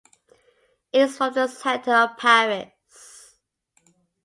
It is from the center of Paris.